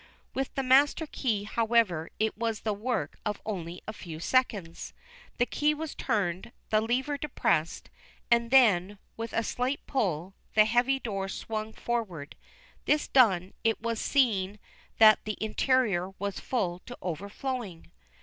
With the master key, however, it was the work of only a few seconds. The key was turned, the lever depressed, and then, with a slight pull, the heavy door swung forward. This done, it was seen that the interior was full to overflowing.